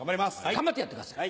頑張ってやってください